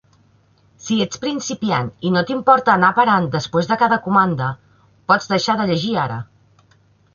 Si ets principiant i no t'importa anar parant després de cada comanda, pots deixar de llegir ara.